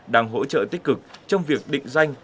đang hỗ trợ tích cực trong việc định danh